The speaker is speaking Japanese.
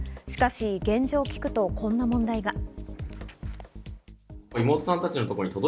しかし現状を聞くと、こんな問題が。